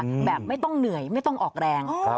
แบบไม่ต้องเหนื่อยไม่ต้องออกแรง